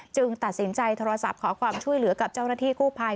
ตัดสินใจโทรศัพท์ขอความช่วยเหลือกับเจ้าหน้าที่กู้ภัย